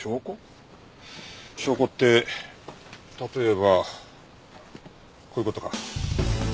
証拠って例えばこういう事か？